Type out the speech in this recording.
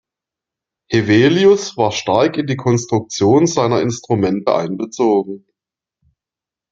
Hevelius war stark in die Konstruktion seiner Instrumente einbezogen.